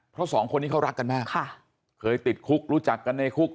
เพราะสองคนนี้เขารักกันมากค่ะเคยติดคุกรู้จักกันในคุก